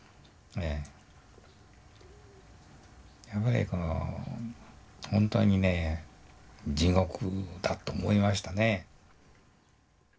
やはりこの本当にね地獄だと思いましたね。